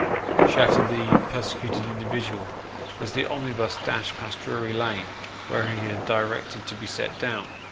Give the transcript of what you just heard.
" shouted the persecuted individual, as the omnibus dashed past Drury Lane, where he had directed to be set down.